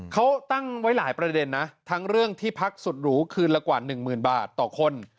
เขาตั้งไว้หลายประเด็นนะทั้งเรื่องที่พักสุดหรูคืนละกว่าหนึ่งหมื่นบาทต่อคน